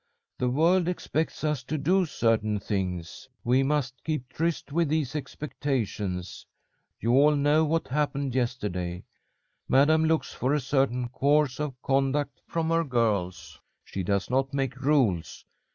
The world expects us to do certain things. We must keep tryst with these expectations. You all know what happened yesterday. Madam looks for a certain course of conduct from her girls. She does not make rules.